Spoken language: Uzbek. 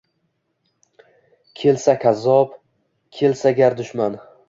Kelsa kazzob, kelsa gar dushman